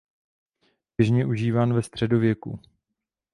Běžně užíván ve středověku.